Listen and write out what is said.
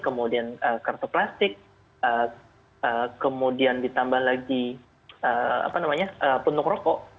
kemudian kartu plastik kemudian ditambah lagi puntuk rokok